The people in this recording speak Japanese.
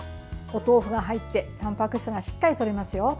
お豆腐が入ってたんぱく質がしっかりとれますよ。